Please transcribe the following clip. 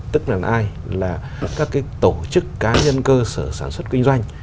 tức là ai là các cái tổ chức cá nhân cơ sở sản xuất kinh doanh